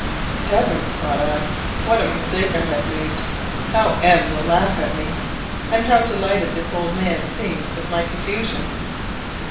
"Heavens!" thought I, "what a mistake I have made! How M will laugh at me, and how delighted this old man seems with my confusion!"